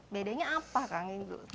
bedanya apa kang